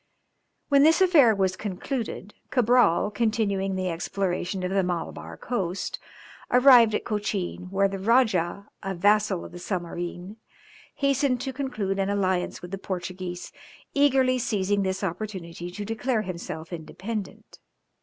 When this affair was concluded, Cabral, continuing the exploration of the Malabar coast, arrived at Cochin, where the Rajah, a vassal of the Zamorin, hastened to conclude an alliance with the Portuguese, eagerly seizing this opportunity to declare himself independent.